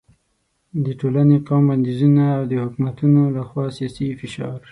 د ټولنې، قوم بندیزونه او د حکومتونو له خوا سیاسي فشار